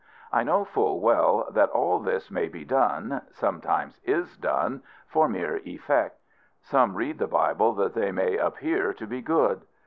I know, full well, that all this may be done sometimes is done for mere effect. Some read the Bible that they may appear to be good.